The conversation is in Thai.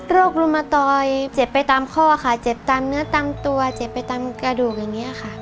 รุมตอยเจ็บไปตามข้อค่ะเจ็บตามเนื้อตามตัวเจ็บไปตามกระดูกอย่างนี้ค่ะ